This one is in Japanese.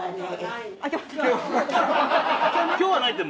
今日はないって。